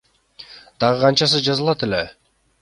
Дагы канчасы жазылат эле.